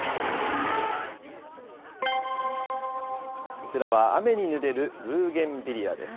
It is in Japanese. こちらは、雨にぬれるブーゲンビリアです。